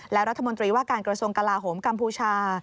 และรัฐมนตรีว่าการกระทรวงกลาโหมกัมพูชา